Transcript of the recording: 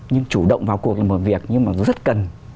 nhưng chủ động vào cuộc là một việc rất cần